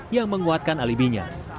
yang menguatkan alibinya